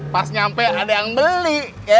pas nyampe ada yang beli